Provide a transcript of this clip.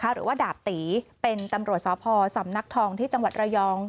หรือว่าดาบตีเป็นตำรวจสพสำนักทองที่จังหวัดระยอง